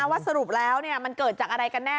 ว่าสรุปแล้วเนี่ยมันเกิดจากอะไรกันแน่